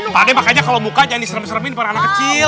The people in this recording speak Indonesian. pak ade makanya kalau mukanya ini serem seremin pada anak kecil